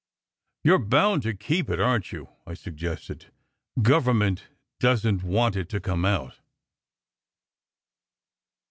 "You re bound to keep it, aren t you?" I suggested. "Government doesn t want it to come out."